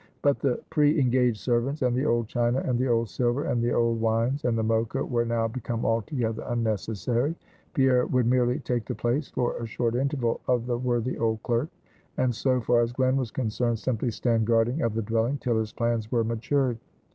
But the pre engaged servants, and the old china, and the old silver, and the old wines, and the Mocha, were now become altogether unnecessary. Pierre would merely take the place for a short interval of the worthy old clerk; and, so far as Glen was concerned, simply stand guardian of the dwelling, till his plans were matured.